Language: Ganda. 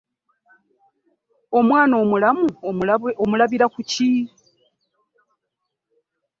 omwana omulamu omulabira ku ki?